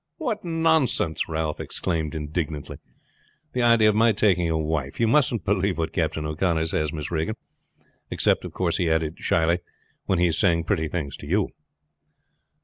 "What nonsense!" Ralph exclaimed indignantly. "The idea of my taking a wife. You mustn't believe what Captain O'Connor says, Miss Regan; except, of course," he added slyly, "when he is saying pretty things to you."